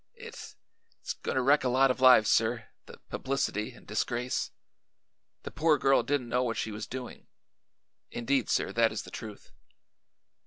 "It it's going to wreck a lot of lives, sir the publicity and disgrace. The poor girl didn't know what she was doing; indeed, sir, that is the truth.